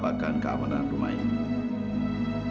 bahkan keamanan rumah ini